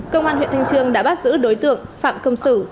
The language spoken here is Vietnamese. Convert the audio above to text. công an huyện thanh trương đã bắt giữ đối tượng phạm công sử